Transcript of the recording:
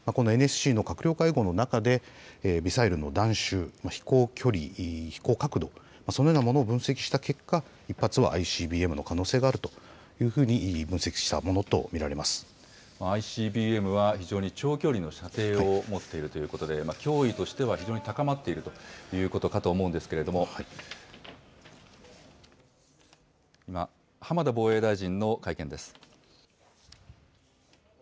このＮＳＣの閣僚会合の中で、ミサイルの弾しゅう、飛行距離、飛行角度、そのようなものを分析した結果、１発はＩＣＢＭの可能性があるというふうに分析したものと見られＩＣＢＭは非常に長距離の射程を持っているということで、脅威としては非常に高まっているということかと思うんですけれども、今、浜田防衛大臣の会見です。